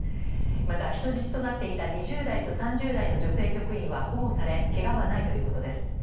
また、人質となっていた２０代と３０代の女性局員は保護されけがはないということです。